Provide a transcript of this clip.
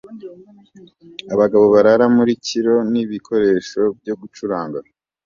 Abagabo barara mu kilo n'ibikoresho byo gucuranga